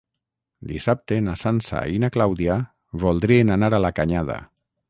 Dissabte na Sança i na Clàudia voldrien anar a la Canyada.